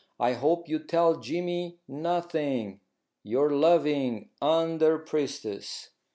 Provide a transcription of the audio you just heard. I hope you tell Jimy nothing. Your loving "UNDER PRIESTESS."